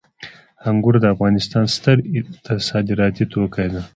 انګور د افغانستان ستر صادراتي توکي دي